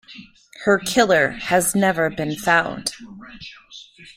Her killer has never been found.